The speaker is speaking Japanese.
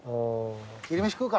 昼飯食うか。